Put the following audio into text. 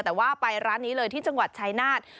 แต่ว่าไปร้านนี้เลยที่จังหวัดชายนาฏ